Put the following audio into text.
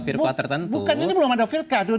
firkoh tertentu bukan ini belum ada firkoh